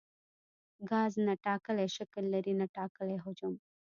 ګاز نه ټاکلی شکل لري نه ټاکلی حجم.